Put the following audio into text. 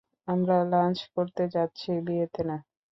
আমরা লাঞ্চ করতে যাচ্ছি, বিয়েতে না।